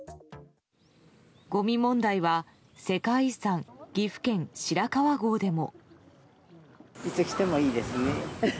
ごみ問題は世界遺産岐阜県白川郷でも。